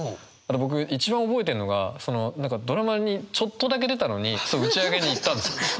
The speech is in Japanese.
僕一番覚えてるのがドラマにちょっとだけ出たのに打ち上げに行ったんですよ。